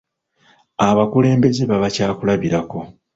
Abakulembeze baba kyakulabirako.